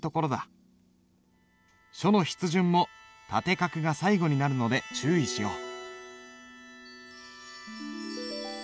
書の筆順も縦画が最後になるので注意しよう。